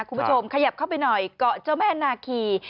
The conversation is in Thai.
คุณผู้ชมขยับเข้าไปหน่อยเกาะเจ้าแม่นาคี